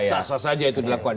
sasar saja itu dilakukan